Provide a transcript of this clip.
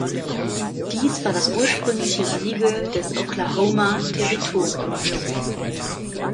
Dies war das ursprüngliche Siegel des Oklahoma-Territoriums.